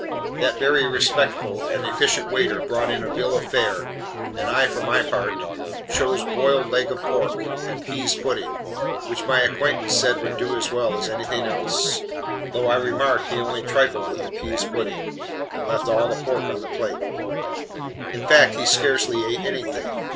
That very respectful and efficient waiter brought in the bill of fare, and I, for my part, chose boiled leg of pork, and pease pudding, which my acquaintance said would do as well as anything else; though I remarked he only trifled with the pease pudding, and left all the pork on the plate. In fact, he scarcely ate anything.